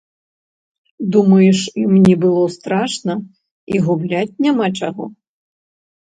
Думаеш, ім не было страшна і губляць няма чаго?